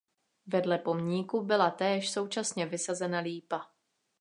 Vedle pomníku byla též současně vysazena lípa.